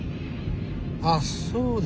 あっそうだ。